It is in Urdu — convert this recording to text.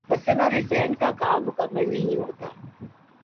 حسن اور حسین کا کام مکمل نہیں ہوتا۔